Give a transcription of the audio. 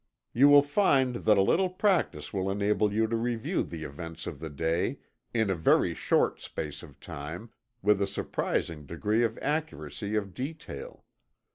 You will find that a little practice will enable you to review the events of the day, in a very short space of time, with a surprising degree of accuracy of detail.